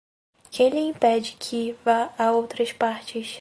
Quem lhe impede que vá a outras partes?